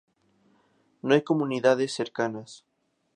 No hay comunidades cercanas.